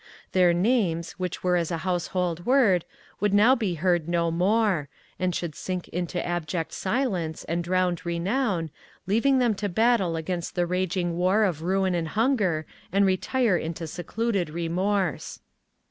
Their names, which were as a household word, would now be heard no more, and should sink into abject silence and drowned renown, leaving them to battle against the raging war of ruin and hunger, and retire into secluded remorse.